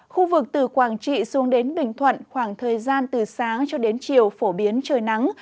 khu vực từ quảng trị xuống đến bình thuận khoảng thời gian từ sáng cho đến chiều phổ biến trời nắng